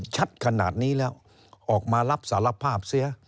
ชัดขนาดนี้แล้วออกมารับสารภาพเสีย